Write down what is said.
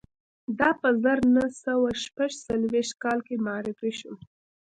دا په زر نه سوه شپږ څلویښت کال کې معرفي شو